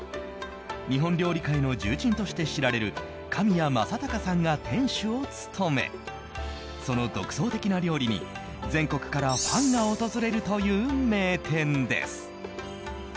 日本料理界の重鎮として知られる神谷昌孝さんが店主を務めその独創的な料理に全国からファンが訪れるという名店です。